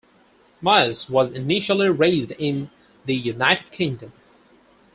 Myers was initially raised in the United Kingdom.